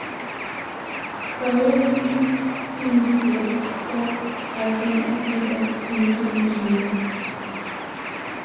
Prior to this Hinds worked for Alcan as head of chemical engineering.